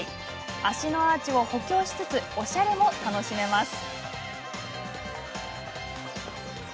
足のアーチを補強しつつおしゃれも楽しめますよ。